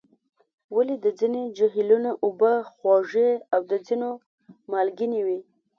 ولې د ځینو جهیلونو اوبه خوږې او د ځینو مالګینې وي؟